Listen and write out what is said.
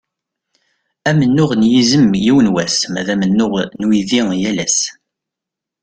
Amennuɣ n yizem yiwen wass, ma d amennuɣ n uydi yal ass.